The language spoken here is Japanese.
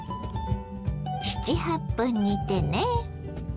７８分煮てね。